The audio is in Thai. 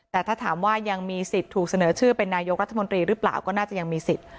แต่ถ้าถามว่ายังมีสิทธิ์ถูกเสนอชื่อเป็นนายกรัฐมนตรีหรือเปล่าก็น่าจะยังมีสิทธิ์